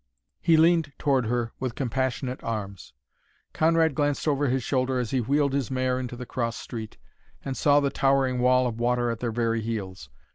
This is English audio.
He leaned toward her with compassionate arms. Conrad glanced over his shoulder as he wheeled his mare into the cross street, and saw the towering wall of water at their very heels.